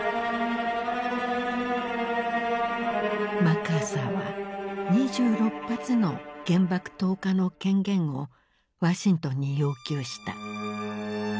マッカーサーは２６発の原爆投下の権限をワシントンに要求した。